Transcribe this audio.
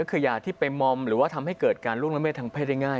ก็คือยาที่ไปมอมหรือว่าทำให้เกิดการล่วงละเมิดทางเพศได้ง่าย